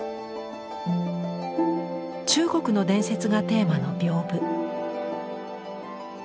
中国の伝説がテーマの屏風。